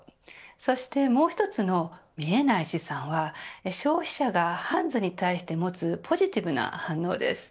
そして、もう１つの見えない資産は消費者がハンズに対して持つポジティブな反応です。